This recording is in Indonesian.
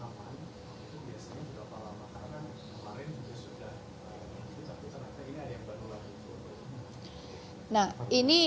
tapi ternyata ini ada yang bernulah